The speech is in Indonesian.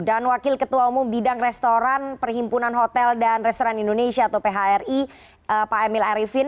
dan wakil ketua umum bidang restoran perhimpunan hotel dan restoran indonesia atau phri pak emil arifin